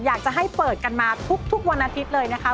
อยากจะให้เปิดกันมาทุกวันอาทิตย์เลยนะคะ